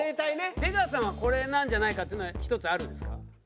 出川さんはこれなんじゃないかっていうのは１つあるんですか？